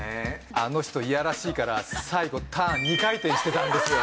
あの人いやらしいから最後ターン２回転してたんですよ